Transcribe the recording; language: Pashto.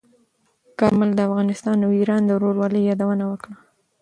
کارمل د افغانستان او ایران د ورورولۍ یادونه وکړه.